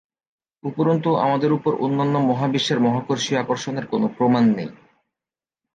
উপরন্তু, আমাদের উপর অন্যান্য মহাবিশ্বের মহাকর্ষীয় আকর্ষণের কোন প্রমাণ নেই।